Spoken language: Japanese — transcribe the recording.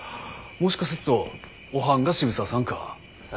もしかすっとおはんが渋沢さんか？へ？